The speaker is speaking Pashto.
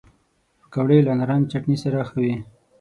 پکورې له نارنج چټني سره ښه وي